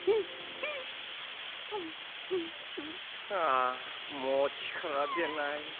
あもう力出ない。